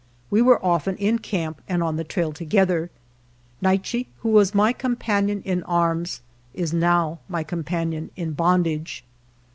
We were often in camp and on the trail together. Naiche, who was my 13 GERONIMO companion in arms, is now my companion in bondage.